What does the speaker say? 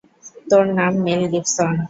তোর নাম Mel Gibson.